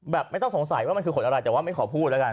ไม่ต้องสงสัยว่ามันคือขนอะไรแต่ว่าไม่ขอพูดแล้วกัน